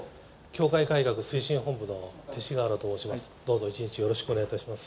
教会改革推進本部の勅使河原と申します。